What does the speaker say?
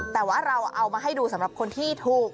แต่ว่าเราเอามาให้ดูสำหรับคนที่ถูก